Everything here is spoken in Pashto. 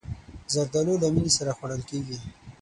زردالو له مینې سره خوړل کېږي.